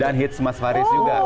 dan hits mas faris juga